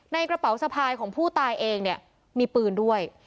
กระเป๋าสะพายของผู้ตายเองเนี่ยมีปืนด้วย